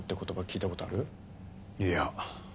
いや。